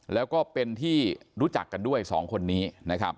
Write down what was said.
แล้วก็เป็นที่รู้จักกันด้วยสองคนนี้นะครับ